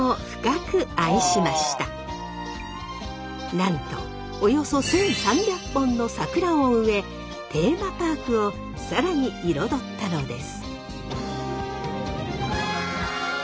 なんとおよそ１，３００本の桜を植えテーマパークを更に彩ったのです。